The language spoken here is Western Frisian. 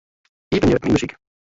Iepenje Myn muzyk.